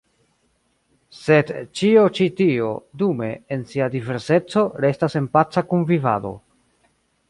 Sed ĉio ĉi tio, dume, en sia diverseco restas en paca kunvivado.